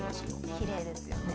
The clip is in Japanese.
きれいですよね。